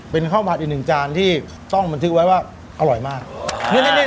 เป็นข้าวผัดอีกหนึ่งจานที่ต้องบันทึกไว้ว่าอร่อยมาก